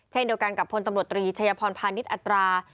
เช่นเดียวกันกับพลตำรวจตรีชัยพรพาณิชย์อัตรา